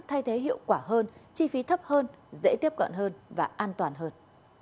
thay thế hiệu quả hơn chi phí thấp hơn dễ tiếp cận hơn và an toàn hơn